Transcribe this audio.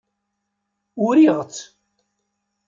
Uriɣ-tt.